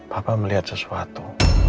papa melihat sesuatu